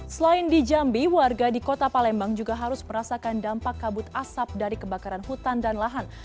selain di jambi warga di kota palembang juga harus merasakan dampak kabut asap dari kebakaran hutan dan lahan